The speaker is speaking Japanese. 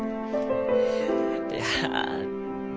いや。